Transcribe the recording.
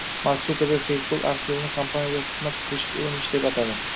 Mark Sukerberg Facebook arxivini kompaniyaga tuhmat qilishga urinish deb atadi